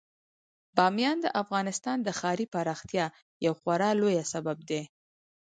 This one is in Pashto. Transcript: بامیان د افغانستان د ښاري پراختیا یو خورا لوی سبب دی.